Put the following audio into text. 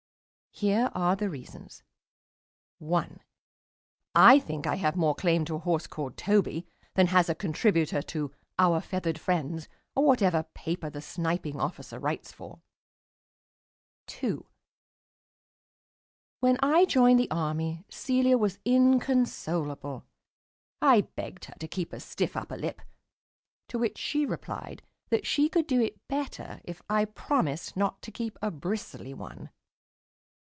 Here are the reasons: 1. I think I have more claim to a horse called Toby than has a contributor to "Our Feathered Friends" or whatever paper the Sniping Officer writes for. 2. When I joined the Army, Celia was inconsolable. I begged her to keep a stiff upper lip, to which she replied that she could do it better if I promised not to keep a bristly one.